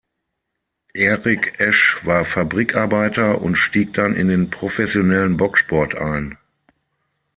Eric Esch war Fabrikarbeiter und stieg dann in den professionellen Boxsport ein.